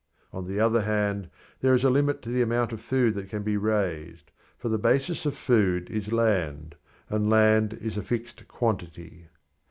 On the other hand, there is a limit to the amount of food that can be raised, for the basis of food is land, and land is a fixed quantity.